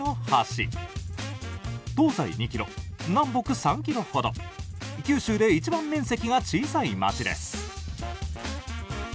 東西２ｋｍ南北３ｋｍほど九州でいちばん面積が小さい町です。